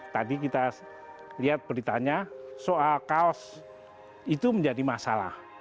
tadi kita lihat beritanya soal kaos itu menjadi masalah